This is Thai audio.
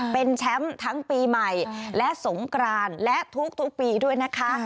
เป็นแชมป์ทั้งปีใหม่และสงกรานและทุกปีด้วยนะคะ